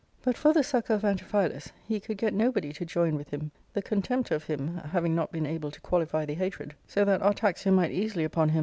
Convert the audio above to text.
But for the succour of Antiphilus he could get nobody to join with him, the contempt of him having not been able to qualify the hatred ; so that Artaxia might easily upon him.